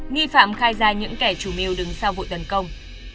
nghi phạm khai ra những kế chú miêu đứng sao vụi tần công